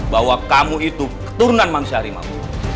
bahwa kamu itu keturunan manusia harimau